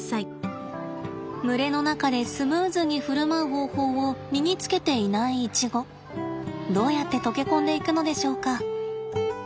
群れの中でスムーズに振る舞う方法を身につけていないイチゴどうやって溶け込んでいくのでしょうか。